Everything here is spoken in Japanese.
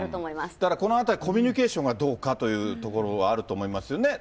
だからこのあたり、コミュニケーションがどうかというところはあると思いますよね。